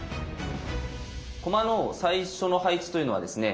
駒の最初の配置というのはですね